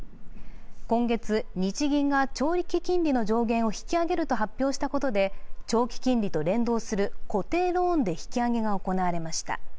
今月、日銀が長期金利の上限を引き上げると発表したことで超金利と連動する固定ローンで引き上げが行われました。